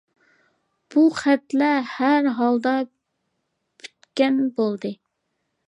بۇ خەتلەر ھەر ھالدا پۈتكەن بولدى.